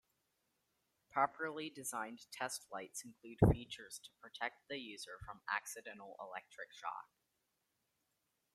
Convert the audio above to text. Properly designed test lights include features to protect the user from accidental electric shock.